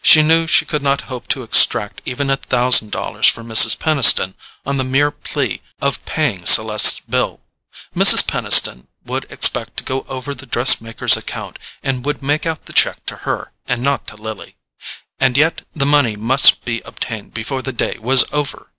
She knew she could not hope to extract even a thousand dollars from Mrs. Peniston on the mere plea of paying Celeste's bill: Mrs. Peniston would expect to go over the dress maker's account, and would make out the cheque to her and not to Lily. And yet the money must be obtained before the day was over!